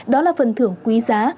đó là phần thưởng quý giá